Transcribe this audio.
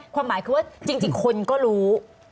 ความหมายคือว่าจริงคนก็รู้